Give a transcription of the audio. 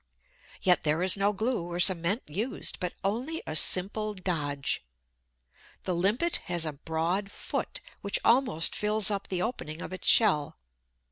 Yet there is no glue or cement used, but only a simple dodge. The Limpet has a broad "foot," which almost fills up the opening of its shell.